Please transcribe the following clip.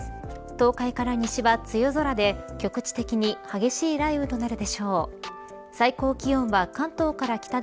東海から西は梅雨空で局地的に激しい雷雨となるでしょう。